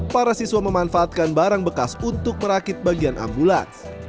para siswa memanfaatkan barang bekas untuk merakit bagian ambulans